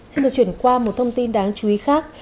xin được chuyển qua một thông tin đáng chú ý khác